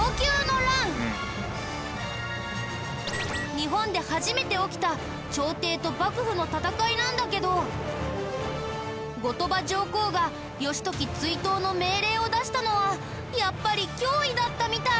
日本で初めて起きた朝廷と幕府の戦いなんだけど後鳥羽上皇が義時追討の命令を出したのはやっぱり脅威だったみたい。